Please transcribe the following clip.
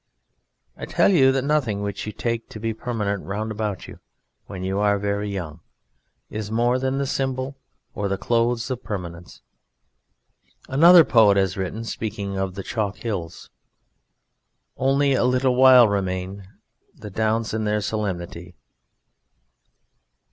I tell you that nothing which you take to be permanent round about you when you are very young is more than the symbol or clothes of permanence. Another poet has written, speaking of the chalk hills: Only a little while remain The Downs in their solemnity.